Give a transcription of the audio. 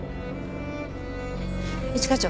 一課長。